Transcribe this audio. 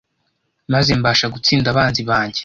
maze mbasha gutsinda abanzi banjye